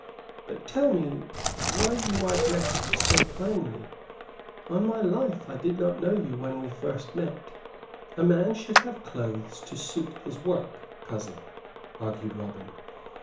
But tell me why you are dressed so plainly. On my life, I did not know you when first we met." "A man should have clothes to suit his work, cousin," argued Robin.